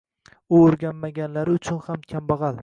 U oʻrganmaganlari uchun ham kambagʻal